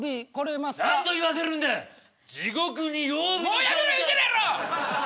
もうやめろ言うてるやろ！